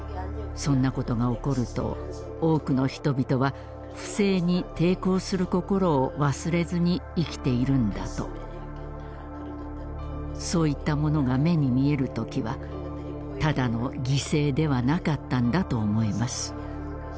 そんなことが起こると多くの人々は不正に抵抗する心を忘れずに生きているんだとそういったものが目に見える時はただの犠牲ではなかったんだと思えます。